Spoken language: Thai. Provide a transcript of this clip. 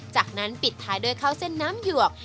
จากนั้นปิดท้ายด้วยข้าวเส้นน้ำหยวก